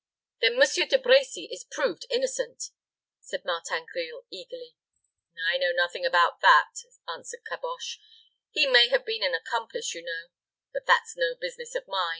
"Then Monsieur De Brecy is proved innocent," said Martin Grille, eagerly. "I know nothing about that," answered Caboche. "He may have been an accomplice, you know; but that's no business of mine.